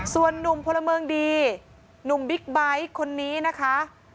ส่วนนุ่มพลเมืองดีหนุ่มบิ๊กไบท์คนนี้นะคะ